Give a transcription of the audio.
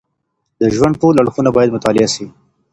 د ژوند ټول اړخونه باید مطالعه سي.